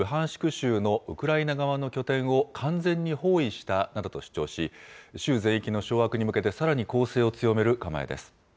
州のウクライナ側の拠点を完全に包囲したなどと主張し、州全域の掌握に向けてさらに攻勢を強める構えです。